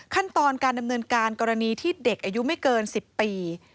ขั้นตอนการดำเนินการกรณีที่เด็กอายุไม่เกิน๑๐ปี